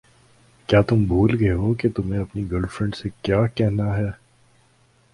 کیا تم بھول گئے ہو کہ تمہیں اپنی گرل فرینڈ سے کیا کہنا ہے؟